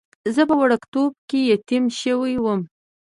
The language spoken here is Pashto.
زه په وړکتوب کې یتیم شوی وم.